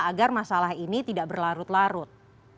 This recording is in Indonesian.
agar masalah ini tidak berlarut larut